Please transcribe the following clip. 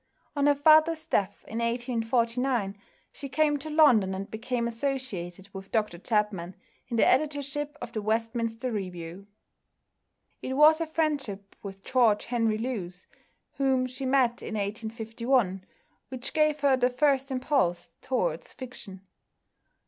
On her father's death, in 1849, she came to London and became associated with Dr Chapman in the editorship of the Westminster Review. It was her friendship with George Henry Lewes, whom she met in 1851, which gave her the first impulse towards fiction.